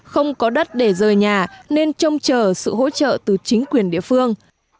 không có đất để rời nhà nên trông chờ sự hỗ trợ từ chính quyền địa phương